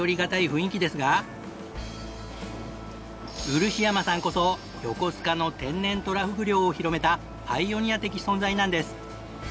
漆山さんこそ横須賀の天然トラフグ漁を広めたパイオニア的存在なんです。